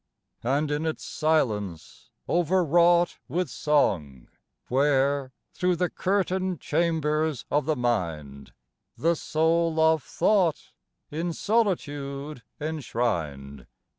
And in its silence, overwrought with song, Where, through the curtained chambers of the mind, The soul of thought, in solitude enshrined.